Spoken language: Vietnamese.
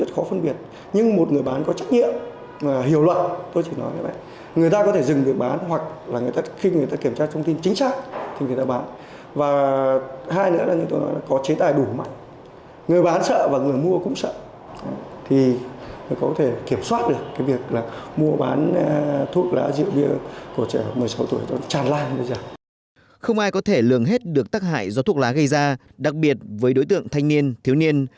không ai có thể lường hết được tắc hại do thuốc lá gây ra đặc biệt với đối tượng thanh niên thiếu niên